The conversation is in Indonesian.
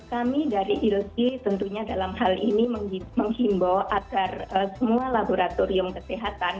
kami dari ilsi tentunya dalam hal ini menghimbau agar semua laboratorium kesehatan